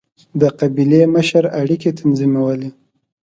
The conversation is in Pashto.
د قبیلې مشر اړیکې تنظیمولې.